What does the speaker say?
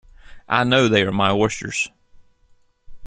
I know they are my oysters.